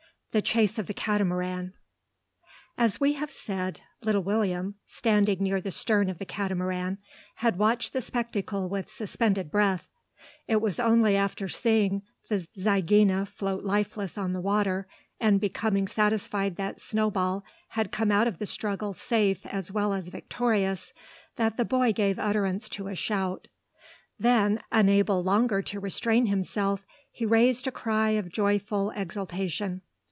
THE CHASE OF THE CATAMARAN. As we have said, little William, standing near the stern of the Catamaran, had watched the spectacle with suspended breath. It was only after seeing the zygaena float lifeless on the water, and becoming satisfied that Snowball had come out of the struggle safe as well as victorious, that the boy gave utterance to a shout. Then, unable longer to restrain himself, he raised a cry of joyful exultation.